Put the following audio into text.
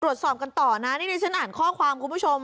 ตรวจสอบกันต่อนะนี่ดิฉันอ่านข้อความคุณผู้ชม